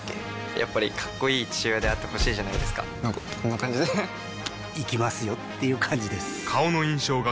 やっぱりかっこいい父親であってほしいじゃないですかなんかこんな感じで行きますよっていう感じです